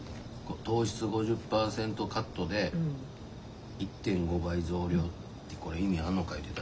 糖質５０％カットで１．５倍増量ってこれ意味あんのか言うてたで。